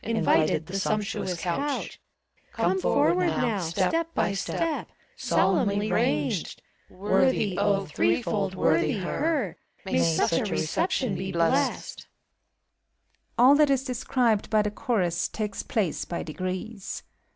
Invited, the sumptuous couch. Come forward, now. Step by step. Solemnly ranged! Worthy, 0, threefold worthy her, May such a reception be blessed !• (All that is described by the Chorus takes place by degrees.